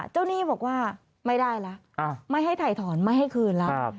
หนี้บอกว่าไม่ได้ละไม่ให้ถ่ายถอนไม่ให้คืนแล้ว